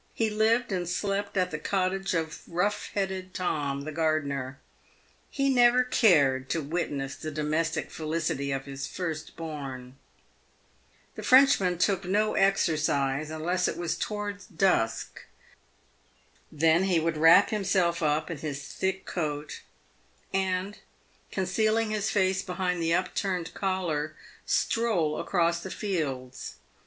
He lived and slept at the cot tage of rough headed Tom, the gardener. He never cared to witness the domestic felicity of his first born. The Frenchman took no exercise, unless it was towards dusk. Then he would wrap himself up in his thick coat, and, concealing his face behind the upturned collar, stroll across the fields.